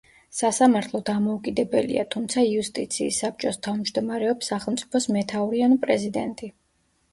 სასამართლო დამოუკიდებელია, თუმცა იუსტიციის საბჭოს თავმჯდომარეობს სახელმწიფოს მეთაური ანუ პრეზიდენტი.